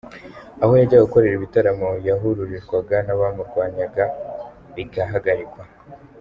Aho yajyaga gukorera ibitaramo yahururirwaga n’abamurwanya bigahagarikwa.